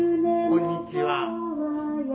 こんにちは。